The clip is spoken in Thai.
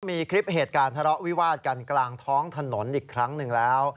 มีคลิปเหตุการณ์ทะเลาะวิวาดกันกลางท้องถนนอีกครั้งหนึ่งแล้ว